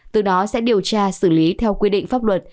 từ đó sẽ điều tra xử lý theo quy định pháp luật